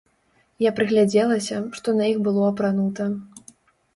Я прыглядзелася, што на іх было апранута.